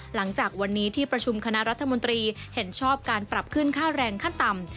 หลังจากวันนี้ที่ประชุมคณะรัฐมนตรีเห็นชอบการปรับขึ้นค่าแรงขั้นต่ำ